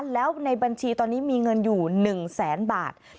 แล้วในบัญชีตอนนี้มีเงินอยู่๑แสนบาท